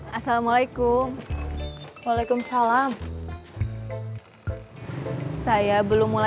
pasti semuanya ke hasrat lalu dr san